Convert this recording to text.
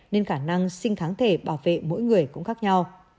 nên khả năng sinh tháng thể bảo vệ mỗi người cũng khác nhau